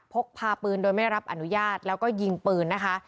พกพาปืนโดยไม่ได้รับอนุญาตแล้วก็ยิงปืนนะคะ